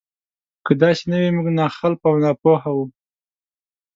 که داسې نه وي موږ ناخلفه او ناپوهه وو.